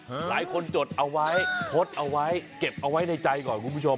หลายคนจดเอาไว้โพสต์เอาไว้เก็บเอาไว้ในใจก่อนคุณผู้ชม